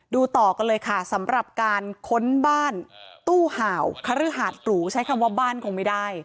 ต่อกันเลยค่ะสำหรับการค้นบ้านตู้ห่าวคฤหาดหรูใช้คำว่าบ้านคงไม่ได้